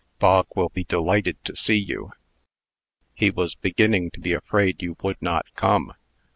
Bog will be delighted to see you. He was beginning to be afraid you would not come.